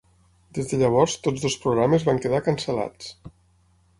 Des de llavors, tots dos programes van quedar cancel·lats.